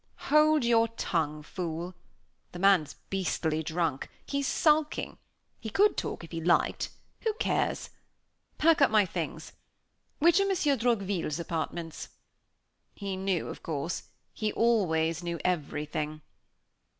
"Hold your tongue, fool! The man's beastly drunk he's sulking he could talk if he liked who cares? Pack up my things. Which are Monsieur Droqville's apartments?" He knew, of course; he always knew everything.